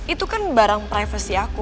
itu kan barang privasi aku